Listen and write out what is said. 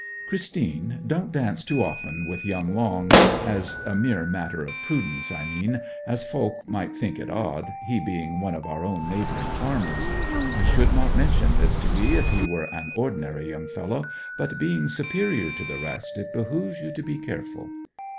'Christine, don't dance too often with young Long as a mere matter of prudence, I mean, as volk might think it odd, he being one of our own neighbouring farmers. I should not mention this to 'ee if he were an ordinary young fellow; but being superior to the rest it behoves you to be careful.'